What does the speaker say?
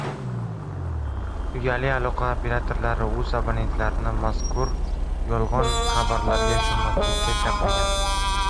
Uyali aloqa operatorlari oʻz abonentlarini mazkur yolgʻon xabarlarga ishonmaslikka chaqirgan.